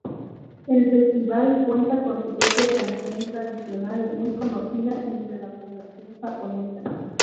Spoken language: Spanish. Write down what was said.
El festival cuenta con su propia canción tradicional, muy conocida entre la población japonesa.